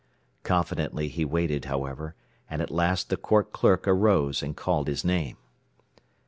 Confidently he waited, however, and at last the court clerk arose and called his name.